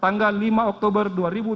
tanggal lima oktober dua ribu dua puluh